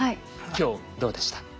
今日どうでした？